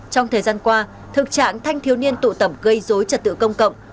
trong thời gian qua thực trạng thanh thiếu niên tụ tẩm gây dối trật tự công cộng